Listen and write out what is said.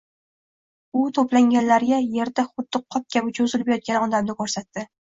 U to`planganlarga erda xuddi qop kabi cho`zilib yotgan odamni ko`rsatdi